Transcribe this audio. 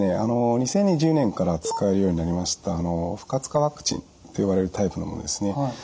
２０２０年から使えるようになりました不活化ワクチンと呼ばれるタイプのものですね。